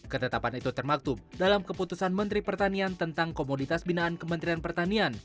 ketetapan itu termaktub dalam keputusan menteri pertanian tentang komoditas binaan kementerian pertanian